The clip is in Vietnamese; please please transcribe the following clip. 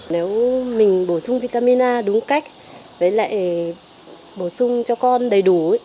nếu mình bổ sung vitamin a đúng cách với lại bổ sung cho con đầy đủ